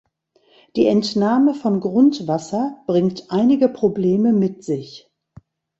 Die Entnahme von Grundwasser bringt einige Probleme mit sich.